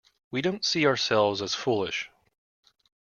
We don't see ourselves as foolish.